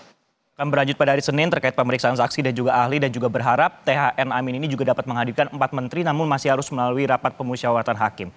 akan berlanjut pada hari senin terkait pemeriksaan saksi dan juga ahli dan juga berharap thn amin ini juga dapat menghadirkan empat menteri namun masih harus melalui rapat pemusyawaratan hakim